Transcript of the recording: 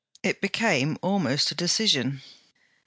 It became almost a decision.